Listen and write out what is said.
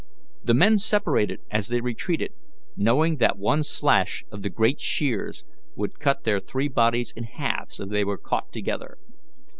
The men separated as they retreated, knowing that one slash of the great shears would cut their three bodies in halves if they were caught together.